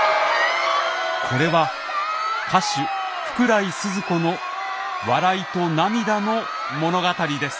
これは歌手福来スズ子の笑いと涙の物語です。